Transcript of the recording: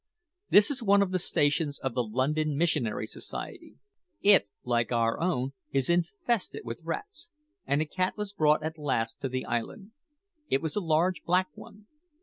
This is one of the stations of the London Missionary Society. It, like our own, is infested with rats, and a cat was brought at last to the island. It was a large black one.